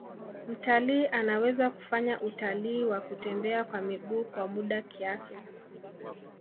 Mtalii anaweza kufanya utalii wa kutembea kwa miguu kwa muda kiasi